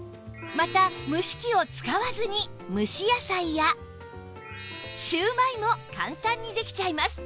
また蒸し器を使わずに蒸し野菜やしゅうまいも簡単にできちゃいます